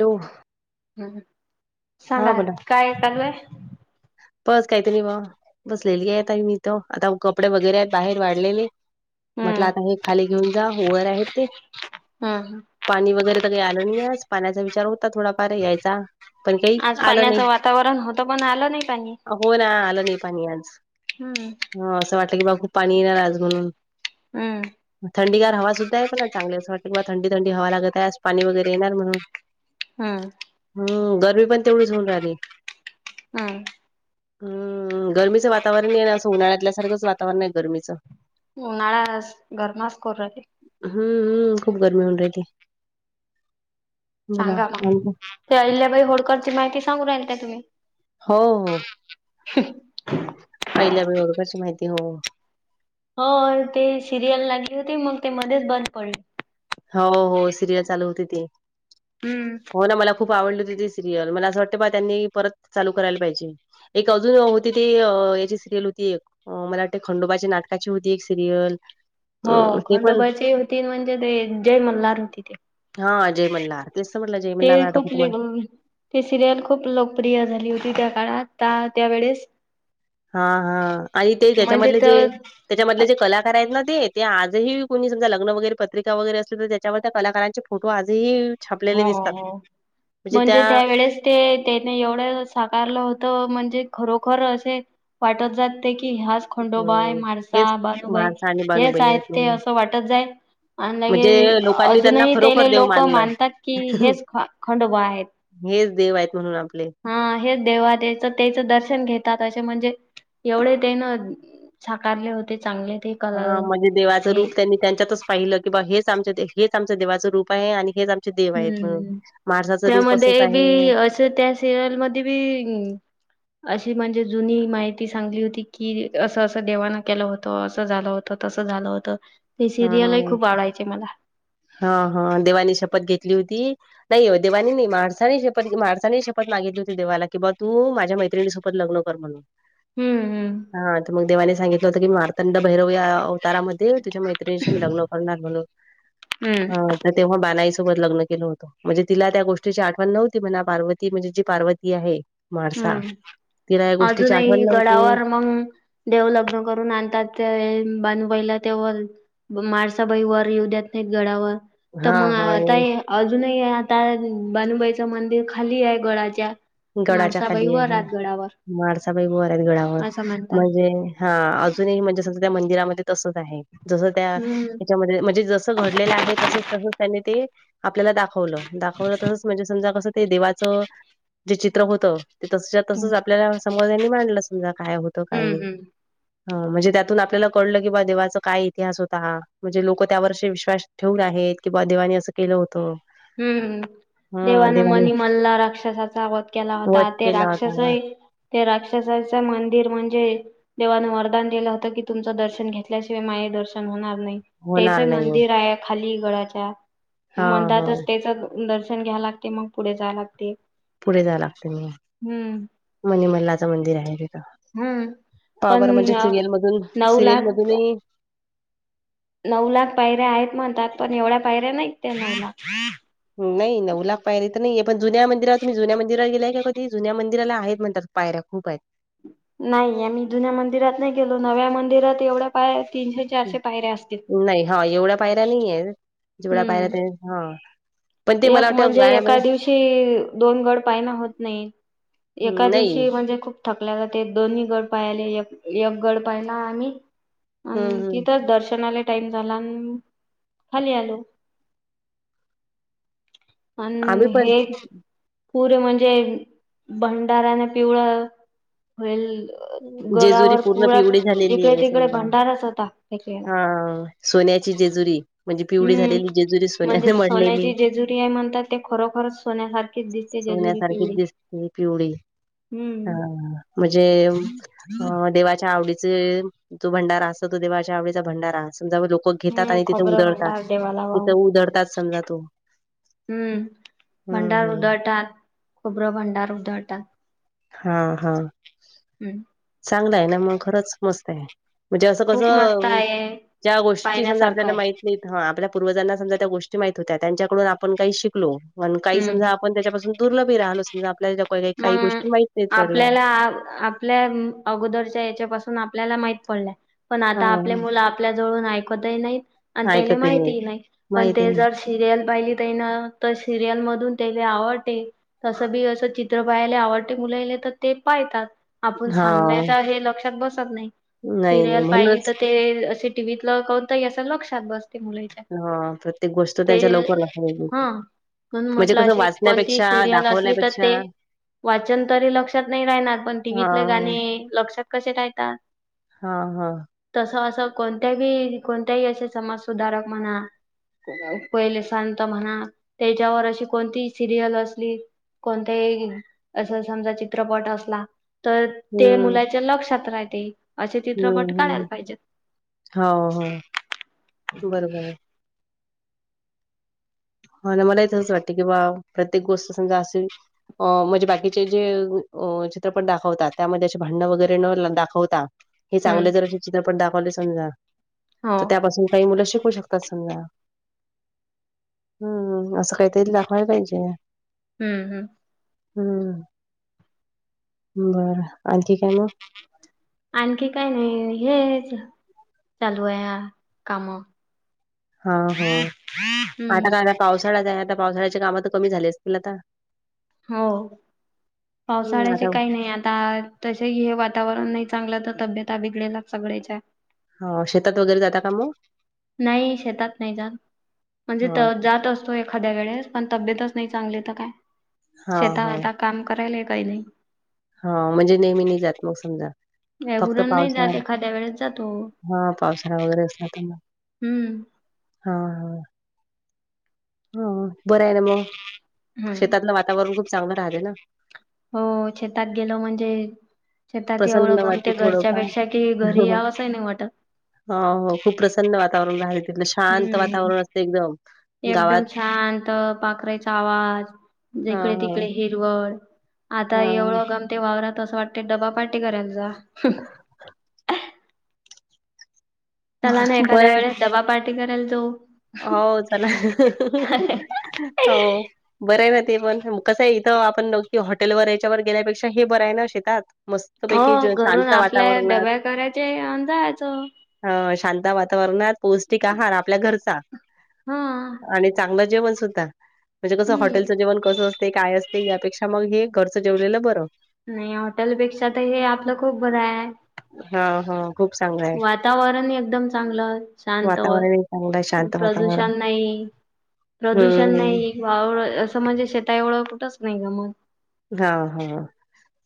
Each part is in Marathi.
डू हम हम सांगा काय टांगलेय. बस काहीतरी नाही बा बसलेली आहेत आता मी ईथ आता कपडे वगैरे आहेत बाहेर वाढलेली. म्हटलं हम्म आता हे खाली घेऊन जा वर आहे वो ती. हा हा. पाणी वगैरे तर काही आलं नाही आज पाण्याचा विचार होता थोडाफार यायचा पण काही आज आलं नाय. पाण्याचं वातावरण होतं पण आलं नाही पाणी. हो ना आलं नाही पाणी आज हम्म असं वाटलं की बाघू पाणी येणार आज म्हणून. हम्म. थंडीर हवा सुद्धा आहे पण चांग अस वाट किंवा थंडी थंडी हवा लागत आहे आज पाणी वगैर येणार म्हणून. हम्म हम्म गरमी पण तेवढीच होऊन राहिली. हा. हम् गर्मीच वातावरण आहे ना असं उन्हाळ्यातल्या सारखंच वातावरण आहे गर्मीच. उन्हाळा गरमच करून राहिले. हम्मम खूप गर्मी होऊन रती सांगा मग बोला ते अहिल्याबाई होडकरची माहिती सांगू राल का तुम्ही हो हो आहिल्या बाई होळकर ची माहिती हो हो ते सिरियल लागली होते मग ते मध्येच बंद पडल हो हो सिरियल चालू होती ते हम्म हो ना मला खूप आवडली होते ते सिरियल मला असं वाटतं बा त्यांनी परत चालू करायला पाहिजे. एक अजून होती ती याची सिरियल होती एक मला वाटते खंडोबाच्या नाटकाची होती एक सिरियल हो अ, ते पण खंडोबाची होती म्हणजे ते जय मल्हार होती ते हा जयमल्लार तसं म्हटलं जय मल्हारटकत तुम्हाला ती सिरियल खूप लोकप्रिय झाली होती त्या काळात त्या त्यावेेळेस हा हा आणि ते म्हणजे त्याच्यामधले जे तर त्याच्यामधले जे कला खरयत ना ते ते आजही विकू कोणी समजा लग्न वगैरे पत्रिका वगैरे असल तर त्याच्यावर त्या कलाकारांचे फोटो आजही छापलेले हा हा दिसतात. हा म्हणजे त्यावेेळेस ते त्याने एवढं साकारलं होतं म्हणजे खरोखर असे वाटत जात ते की ह्याच खंडोबाई हं, म्हारसा हेच बानुबाई म्हापसा आणि हेच बानुबाई आहेत ते म्हणून. असं वाटत जाई आणि म्हणजे लोकांनी त्यांना अजूनही खरोखर त्याले देव लोक मानलंय. मानतात की हेच ख खंडोबा आहेत. हेच देव आहेत म्हणून आपले हा हेच देवा त्याच त्याचं दर्शन घेतात असे म्हणजे एवढे ते ना साकारले होते चांगले ते कला ह म्हणजे देवाचं हे रूप त्यांनी त्यांच्यातच पाहिलं की बा हेच आम हेच आमच देवाचं रूप आहे आणि हेच आ मचे देव आहेत हम्म. माणसाचं रूप असच आहे. तर त्या सिरियलमध्ये बी अशी म्हणजे जुनी माहिती सांगली होती की असं असं देवाना केलं होतं असं झालं होत त तसं झालं होत ते सिरियलही खूप आडायचे मला हा हा देवानी शपथ घेतली होती नाही देवानी नाही माडसाने शपथ मादसाने शपथ मागितली होती देवाला कि बाबा तू माझ्या मैत्रिणी सोब त लग्न कर म्हणून हम्म हम्म हा तर मग देवानी सांगितलं होतं की मार्तंड भैरव या अवतारामध्ये तुझ्या मै लग् कर म्हणून हम्म तेव्हा हम बानाईसोबत लग्न केलं होतं. म्हणजे तिला त्या गोष्टीची आठवण नव्हती म्हणा पार्ती म्हणजे जी पार्वती आहे. म्हाळसा हम्म तिला या गोष्टीची अजूनही आठवण नव्हती गडावर मग देव लग्न करून आणतात ते वेळी बानबाईला तेव माळसाबाई वर येऊ द्यात नाही गडावर तर मग हां, आता हां. अजूनही आता बानुबाईचं मंदिर खाली आहे गडच्या गडाच्या खाली आहे मारसाबाई बर आहेत गडावर असं म्हणतात म्हणजे हा अजूनही म्हणजे तसं त्या मंदिरामध्ये तसच आहे जस त्या हम्म म्हणजे म्हणजे जस घडलेल आहे तसच त्यांनी ते आपल्याला दाखवलं दाखवलं तसंच म्हणजे समजा कसं ते देवाचं जे चित्र होत ते तस तसच आपल्याला समाजांनी मांडलं समजा काय होतं काही हम्म नाही हम्म ह म्हणजे त्यातून आपल्याला कळलं की बा देवाचा काय इतिहास होता हा म्हणजे लोक त्यावरर्ष विश्वास ठेऊर आहेत किंवा देवानी असं केलं होतं हम्मम् हं देवानं देवाने मनी मल्ला राक्षसा चावत केला होता वध ते केला होता. राक्षसाई ते राक्षसाईच मंदिर म्हणजे देवानं वरदान दिलं होतं की तुमचं दर्शन घेतल्याशिवाय माये दर्शन होणार नाही त्याच होणार नाही. मंदिर आहे खाली गडाच्या हा हा मंदातच दर्शन घ्या लागते मग पुढे जाय लागते पुढे जावं लागते म हम्म मनीमल्लाचं मंदिर आहे तिथं हम्म पण पावर म्हणजे सिरियल मधून नऊ सिरियल लाख मधूनही नऊ लाख पायऱ्या आहेत म्हणतात पण एवढ्या पायऱ्या नाहीत ते नऊ लाख नाही नऊ लाख पाहिले तर नाहीे पण जु्या मंदिराला तुम्ही जु्या मंदिराला गेलाय का क तेी जु्या मंदिराला आहेत म्हणतात. पायऱ्या खूप आहेत. नाही आ म्ही जुन्या मंदिरात नाही गेलो नव्या मंदिरात एवढ्या पाय तीनशे चारशे पायऱ्या असतील. नाही हा एवढ्या पायऱ नाहीे जेवढा पायऱ हम्म हा. पण ते मला एक वाटतं म्हणजे एका गाण्यामध्ये दिवशी दोन गड पायना होत नाही. एका नाही. दिवशी म्हणजे खूप थकल्या ज ते दोन्ही गड पाहिले एक गड पाहिला आम्ही अ हं हं तिथंच दर्शनाला टाइम झाला आणि खाली आलो. आम्ही हं् पण हग. पुरे म्हणजे भंडाऱ्याने पिवळ होईल. जेजुरी गळावर पूर्ण पळा पिवळी झालेली जिकडे आहे तिकडे समजा. भंडारच होता एक हा सोन्याची जेजुरी म्हणजे पिवळी हम्म झालेली जेजुरी म्हणजे सोन्याने मढलेली. सोन्याची जेजुरी आहे म्हणतात ते खरोखरच सोन्या हात. च दिसते जजुरी सोन्यासारखीच पिवडी दिसते पिवळी हा हम्म. म्हणजे अ देवाच्या आवडीचे तो भंडारा असत तो देवा भंडारा सम लोक घेतात हम्म आणि तिथं खोबरं उधळतात भांडार देवाला तिथं वाहू. उधडतात समजा तो हम्म हम्म भंडार हम्म उधळतात खोबरं भंडार उधळतात. हा हा. हम्म. चांगलं आहे ना मग खरंच मस्त आहे. म्हणजे असं खूप मस्त कसं आहे ज्या गोष्टी समजा पाहण्यासारखं आपल्याला आहे माहित नाही. हा आपल्या पूर्वजांना समजा त्या गोष्टी माहित होत्या त्यांच्याकडून आपण काही शिकलोण काही हम्म. समजा आपण त्याच्यापासून दुर्ली राहिल आपल्या मग आपल्याला ल्या अगोदरच्या याच्या पाासून आपल्याला माहित पडलं पण आता आपले हा मुलं. आप ज ऐकत नाही आणि त्या माहिती नाही पण माहिती ते आहे ज सिरियल पाहिली त्या ना तर सिरियल मधून त्याला आवडते तसं बी असं चित मित्र पायाले आवडते मुलले तर ते पाहतात आपण हा सांगण्याचा हे लक्षात बसत नाही. नाही नाही सिरियल पाहिली म्हणूनच तर ते असे टीव्हीतला करणता असं लक्षात बसते मुली हा प्रत्येक गोष्ट त्यांच्या लवकरला हा म्हणून म्हणजे म्हटलं कसं अशी कोणती वाचण्यापेक्षा सिरियल असली तर दाखवण्यापेक्षा ते वाचन तरी लक्षात नाही राहणार पण हा टीव्हीतले गाणे लक्षात कसे राहतात. हा हा. तस असं कोणत्याही कोणत्याही असे समाज सुधारक म्हणा. पहिले सांंत म्हणा त्याच्यावर अशी कोणती सिरियल असली. कोणते? असं समजा चित्रपट असला तर ते हम्म मुलाच्या लक्षात राहते. असे हम्म चित्रपट काढायला हम्म पाहिजेत. हो हो बरोबर आहे ह ना मला तच वाटते की बा प्रत्येक गोष्ट समजा असे. अ म्हणजे बाकीचे जे अ चित्रपट दाखवतात त्यामध्ये असे भांडण वगैरे न दाखवता. हे हम्म चांगले जर असे चित्रपट दाखवले समजा हो तर त्यापासून काही मुलं शिकू शकतात समजा. हम्म असं काहीतरी दाखवायला पाहिजे. हम्म हम्म. हम्म बरं आणखी काय मग आणखी काय नाही हेच. चालू आहे काम हा हा हम्म आता का आता पावसाळा्याच आहे आता पावसाळ्याची काम तर कमी झाली असतील आता हो हं, पावसाळ्याचे आता काही नाही आता तसे हे वातावरण नाही चांगलं तर तब्येत विगळेला सगळ्याच्या हां, शेतात वगैरे जाता का मग? नाही शेतात नाही जा म्हणजे हां, जात अस एखाद्या वेळेस पण तब्येतच नाही चांगली तर काय हां, शेतता काम करायला काही नाही हा म्हणजे नेहमी नि जात मग समजा वगरण नाही जात एखाद्या वेस जातो हा पावसाळा वगैरे असला तर हम्म हा हा हा बरं आहे ना मग हम्म शेतातलं वातावरण खूप चांगलं राहते ना हो शेतात गेलो म्हणजे शेतात एवढं प्रसन्न गमते वाटते थोडंफार. घरच्यापेक्षा कि घरी या असंही नाही वाटत हो हो खूप प्रसन्न वातावरण राहिले हम्म गावात. एकदम छानत पाखराचा आवाज हां, जकडे तिकडे हां. हिरवळ आता हां, एवढं गमते वावरराात असं वाटते डबा पाटेकरांचा त्याला ना बरं एखाद्या आहे. वेळेस दबा पार्टी करायला तो हो चला हो बरं आहे ना ते पण कसं आहे इथं आपण न हॉटेलवर याच्यावर गेल्यापेक्षा हे बरं आहे ना शेतात मस्त हो घरून आपल्या डबा्या करायचे अ जायच ह शांत वातावरणात पौष्टिक आहार आपल्या घरचा हा आणि चांगलं जेवण सुद्धा म्हणजे कसं हम्म हॉटेलचं जेवण कस असते काय असते यापेक्षा मग हे घरचं जेवलेलं बरं नाही हॉटेलपेक्षा तर हे आपलं खूप बरं आहे हा हा खूप चांगलं आहे वातावरण एकदम चांगलं शांत वातावरणही चांगलं आहे शांत वातावरण प्रदूषण नाही प्रदूषण हम्म. नाही वावळ असं म्हणजे शेतता एवढं कुठंच नाही ग मन हा हा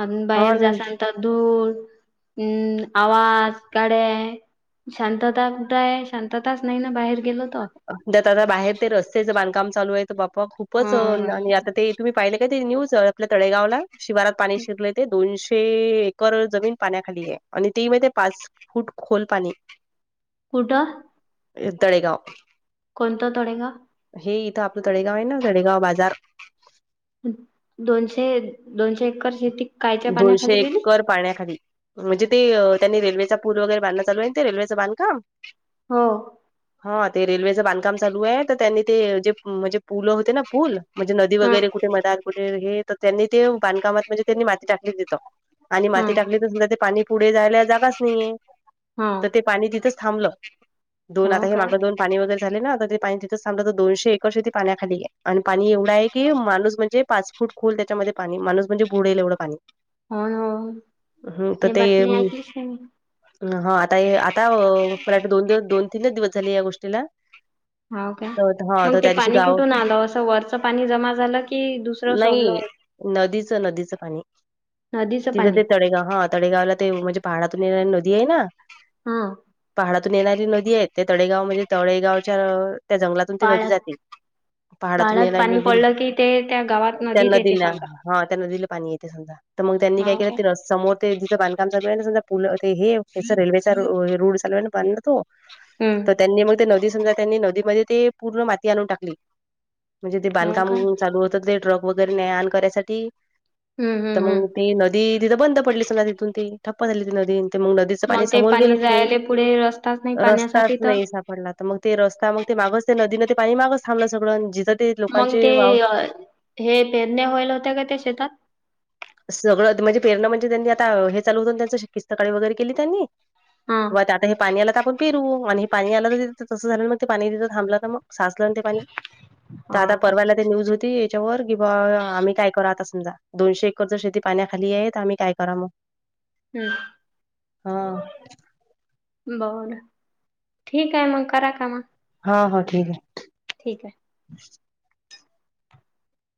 अ हो बाहेर ना जासाल तदूर हम्म आवाज काडे आहे शांतता कुठ आहे शांतताच नाही ना बाहेर गेलो तर ज आ बाहेर ते रस्त्याचं बांधकाम चालू आहे तर बाप्पा खूपच हम्म. आणि आता ते तुम्ही पाहिले काय ते न्यूज आपल्या तळेगावला शिवारात पाणी शिरले ते दोनश े एकर जमीन पाण्याखाली आहे आणि ते म पाच फूट खोल पाणी कुडं ह तळेगाव कोणता तोडेग हे इथं आपलं तडेगाव आहे ना तडेगाव बाजार दोनशे दोनशे एकर शेती कायच्या पाण्याखाली दोनशे गेली एकर पाण्याखाली म्हणजे ते त्यांनी रेल्वेचा पूल वगैरे बध चालू आहे ते रेल्वेचं बांधकाम हो हा ते रेल्वेचं बांधकाम चालू आहे तर त्यांनी ते जे म्हणजे पुलं होते ना पूल म्हणजे नदी हा वगैरे कुठे मदार कुठे हे तर त्यांनी ते बांधकामात म्हणजे त्यांनी माती टाकली तेतं आणि हा माती टाकली तर सुधा ते पाणी पुढे जायला जागाच नाहीये हा तर ते पा तिथच थो हो का दोन पाणी वग ना ते पा तिथथ दोनशे एकर पाण्याखाली आणि पाणी एवढा आहे की माणूस म्हणजे पाच फूट खोल त्याच्यामध्ये पाणी माणूस म्हणजे बुडेल एवढं पाणी हो होय हम् तर ते हा आता आता अ म दोन दिव दोन तीन दिवस झाले या गोष्टीला हो का तर हा मग तर ते त्या दिवशी पाणी गाव कुठून आलं असं वरचं पाणी जमा झालं की दुसरं सोडल नाही होत नदीचं नदीचं पाणी नदीचं तिथं पाणी ते तडेगाव हा तडेगावला ते म्हणजे पहाडातून येणारी नदी आहे ना हा पहाडातून येणारी नदी आहेत ते तडेगाव म्हणजे तळेगावच्या त्या जंगलातून ती नदी पाळ जाते पहाडातून बाळात येणारी पाणी नदी पडलं की ते त्या गावात नदीत त्यांना येते दिला समजा. हा त्यांना दिलं पाणी येत समजा तर मग त्यांनी काय केलं ते समोर ते जिथं बांधकाम चालू आहे ना सध्या पुल ते हे रेल्वे चा रूळ चालू आहे ना बांधायचा तो हम् तर त्यांनी मग ते नदी समजा त्यांनी नदीमध्ये ते पूर्ण माती आणून टाकली म्हणजे ते हो बांधकाम का? चालू होतं ते ट्रक वगैरे न्या आण करायसाठी हम्म तर हम्म मग हम्म ती नदी तिथं बंद पडली सगा तिथून ती ठप्प झाली ती नदी मग नदी पाणी ते समोर गेलंच नाही जायले पुढे रस्ताच नाही रस्ताच पाण्यासाठी तर नाही पडला तर मग ते रस्ता मग ते मागच ते नदीनं ते पाणी मागचथांबलं सगळ जिथं ते मग लोकांचे ते वाव हे पेरण्या व्हायल होत्या का त्या शेतात सगळं म्हणजे पेरल म्हणजे आता हे चालू होत त्यांच शेती सकाळी वगैरे केली त्यांनी हा. आता हे पाणी आला तर आपण पिरू आणि हे पाणी आलं तर तसं झालं मग ते पाणी देत थांबलं तर मग साचलं ते पाणी तर आता हा का? परवायला ते न्यूज होती याच्यावर कि बा आम्ही काय करू आता समजा दोनशे एक शेती पाण्याखाली आहे आम्ही काय करा मग हम्म हा बर ठीक आहे मग करा काम हा हा ठीक आहे